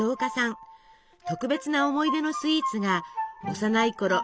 特別な思い出のスイーツが幼いころ